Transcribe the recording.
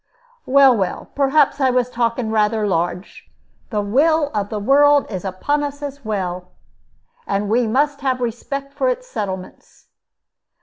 "Well, well, perhaps I was talking rather large. The will of the world is upon us as well. And we must have respect for its settlements."